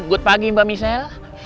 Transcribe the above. selamat pagi mbak michelle